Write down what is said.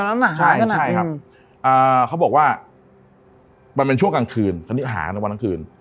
ใช่ครับเขาบอกว่ามันเป็นช่วงกลางคืนเขาอยู่หาในวันกลางคืน